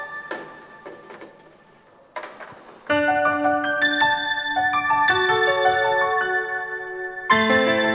untuk tahu lumayan